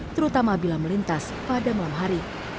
terutama bila melintas pada malam hari